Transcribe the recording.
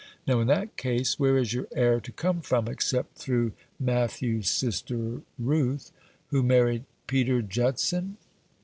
Now, in that case, where is your heir to come from, except through Matthew's sister Ruth, who married Peter Judson?"